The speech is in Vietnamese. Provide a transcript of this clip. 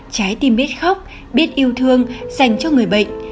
trái tim biết khóc biết yêu thương dành cho người bệnh